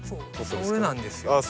それなんですよ。